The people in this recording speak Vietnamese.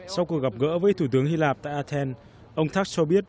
sau cuộc gặp gỡ với thủ tướng hy lạp tại athens ông tak cho biết